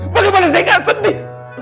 bagaimana saya gak sedih